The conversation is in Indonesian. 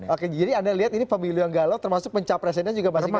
oke jadi anda lihat ini pemilihan galau termasuk pencapresiden juga masih galau